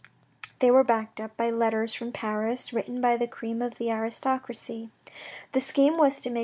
They were backed up by letters from Paris, written by the cream of the aristocracy. The scheme was to make M.